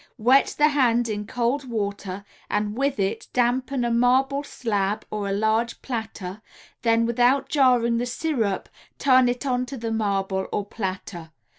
Wet the hand in cold water and with it dampen a marble slab or a large platter, then without jarring the syrup turn it onto the marble or platter.